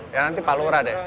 ya nanti pak lura deh